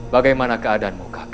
bagaimana keadaanmu kak